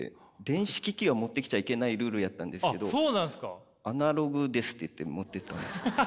電子機器は持ってきちゃいけないルールやったんですけど「アナログです！」って言って持ってったんです。